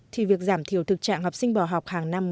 thì việc giảm thiểu thực trạng học sinh bỏ học hàng năm